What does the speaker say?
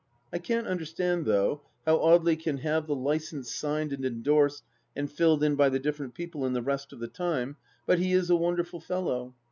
I can't understand, though, how Audely can have got the licence signed and endorsed and filled in by the different people in the rest of the time, but he is a wonderful fellow.